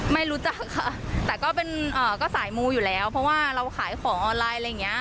ไม่รู้จักค่ะแต่ก็เป็นก็สายมูอยู่แล้วเพราะว่าเราขายของออนไลน์อะไรอย่างนี้